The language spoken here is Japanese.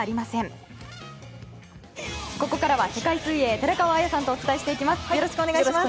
ここからは世界水泳寺川綾さんとお伝えしていきます。